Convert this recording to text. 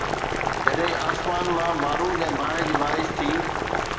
جڏهن آسمان مان بارود ۽ باهه جي بارش ٿي.